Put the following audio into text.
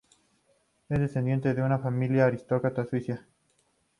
Es descendiente de una familia aristocrática suiza.